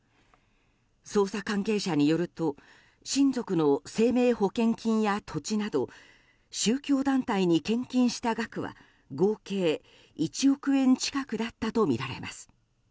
捜査関係者によると親族の生命保険金や土地など宗教団体に献金した額は合計１億円近くだったとみられます。